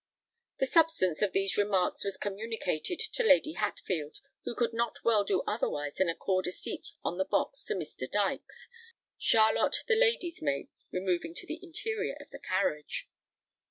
The substance of these remarks was communicated to Lady Hatfield, who could not well do otherwise than accord a seat on the box to Mr. Dykes, Charlotte, the lady's maid, removing to the interior of the carriage.